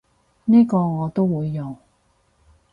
呢個我都會用